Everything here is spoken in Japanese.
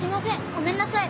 ごめんなさい。